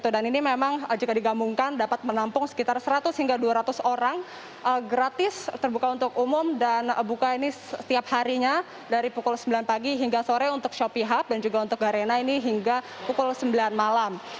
dan ini memang jika digambungkan dapat menampung sekitar seratus hingga dua ratus orang gratis terbuka untuk umum dan buka ini setiap harinya dari pukul sembilan pagi hingga sore untuk shopee hub dan juga untuk garena ini hingga pukul sembilan malam